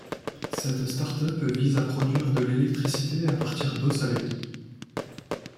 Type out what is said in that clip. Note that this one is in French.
Cette start-up vise à produire de l'électricité à partir d'eau salée.